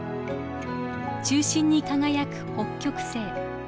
中心に輝く北極星。